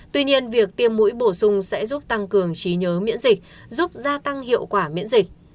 tuy nhiên việc tiêm mũi bổ sung sẽ giúp tăng cường trí nhớ miễn dịch giúp gia tăng hiệu quả miễn dịch